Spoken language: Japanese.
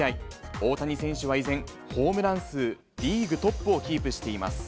大谷選手は依然、ホームラン数リーグトップをキープしています。